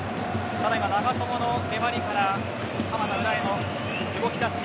ただ、今は長友の粘りから鎌田、裏への動き出し。